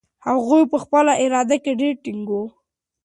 هغه په خپله اراده کې ډېر ټینګ و.